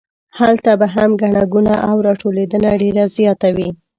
هلته به هم ګڼه ګوڼه او راټولېدنه ډېره زیاته وي.